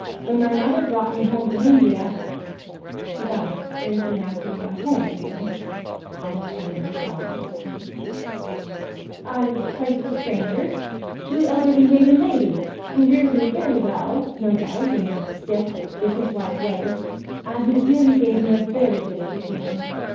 When my mother brought me home from India she died very soon after we got home, you know' Ida strangled a sob at this point 'I was placed with strangers, two elderly maiden ladies, who reared me very well, no doubt, in their stiff business like way, and who really gave me a very good education.